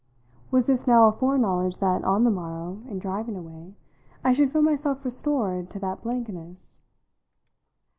Was this now a foreknowledge that, on the morrow, in driving away, I should feel myself restored to that blankness?